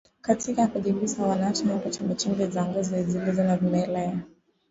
katika kujisugua wanaacha hapo chembechembe za ngozi zilizo na vimelea